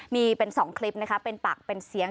มีเป็น๒คลิปนะคะเป็นปากเป็นเสียง